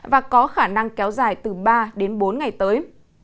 và có khả năng kéo dài từ ba đến bốn ngày tới